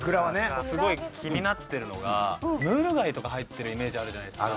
すごい気になってるのがムール貝とか入ってるイメージあるじゃないですか。